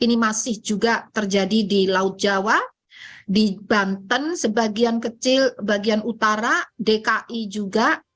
ini masih juga terjadi di laut jawa di banten sebagian kecil bagian utara dki juga